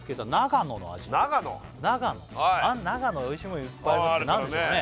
長野長野においしいもんいっぱいありますけど何でしょうかね